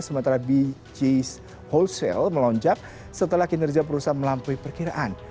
sementara bchal melonjak setelah kinerja perusahaan melampaui perkiraan